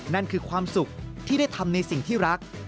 นั่นคือความสุขที่ได้ทำในสิ่งที่รัก